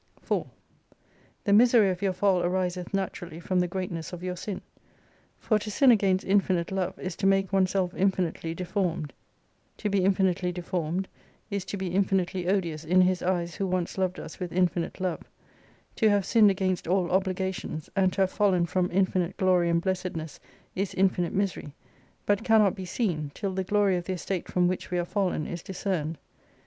4 The misery of your fall ariseth naturally from the greatness of your sin. For to sin against infinite love, is to make oneself infinitely deformed : to be infinitely deformed, is to be infinitely odious in His eyes who once loved us with infinite love : to have sinned against all obligations, and to have fallen from infinite glory and blessedness is infinite misery : but cannot be seen, till the glory of the estate from which we are fallen is discerned.